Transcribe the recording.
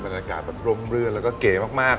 บนระกาศแบบร่มเรื่อนแล้วก็เก๋มาก